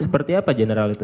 seperti apa general itu